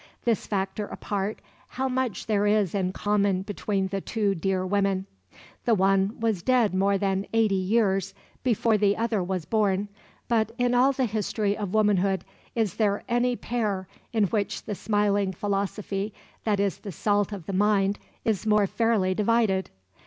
This factor apart, how much there is in common between the two dear women. The one was dead more than eighty years before the other was born, but in all the history of womanhood is there any pair in which the smiling philosophy that is the salt of the mind is more fairly divided?